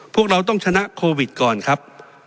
พวกเราต้องชนะโควิดก่อนครับ